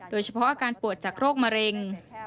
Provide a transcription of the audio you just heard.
โดยเฉพาะอาการปวดจากโรคมะเร็ง